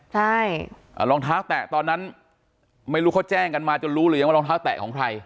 ใช่รองเท้าแตะตอนนั้นไม่รู้เขาแจ้งกันมาจนรู้หรือยังว่ารองเท้าแตะของใคร